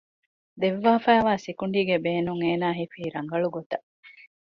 ދެއްވާފައިވާ ސިކުނޑީގެ ބޭނުން އޭނާ ހިފީ ރަނގަޅު ގޮތަށް